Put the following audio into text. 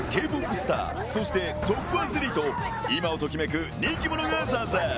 スターそしてトップアスリート今を時めく人気者が参戦。